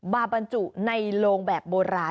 บรรจุในโลงแบบโบราณ